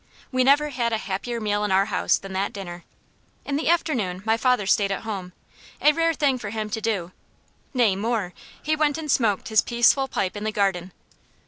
We never had a happier meal in our house than that dinner. In the afternoon my father stayed at home a rare thing for him to do; nay, more, he went and smoked his peaceful pipe in the garden.